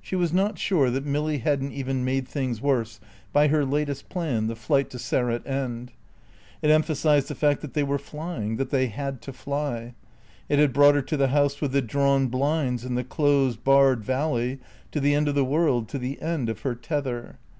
She was not sure that Milly hadn't even made things worse by her latest plan, the flight to Sarratt End. It emphasised the fact that they were flying, that they had to fly. It had brought her to the house with the drawn blinds in the closed, barred valley, to the end of the world, to the end of her tether.